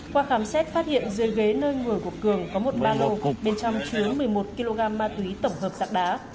qua khám xét phát hiện dưới ghế nơi người của cường có một ba lô bên trong chứa một mươi một kg ma túy tổng hợp sạc đá